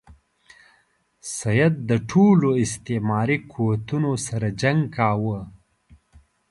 سید د ټولو استعماري قوتونو سره جنګ کاوه.